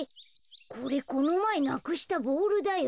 これこのまえなくしたボールだよ。